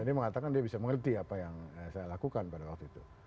dan dia mengatakan dia bisa mengerti apa yang saya lakukan pada waktu itu